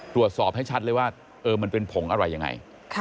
ตรวจสอบให้ชัดเลยว่ามันเป็นผงอะไรยังไง